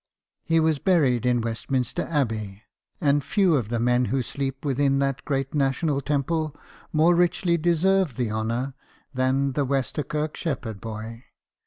He was buried in Westminster Abbey, and few of the men who sleep within that great national temple more richly deserve the honour than the Westerkirk shepherd boy.